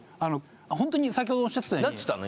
ホントに先ほどおっしゃってた何っつったの？